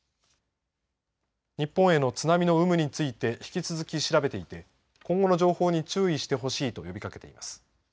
日本への津波の有無について引き続き調べていて今後の情報に注意してほしいと呼びかけています。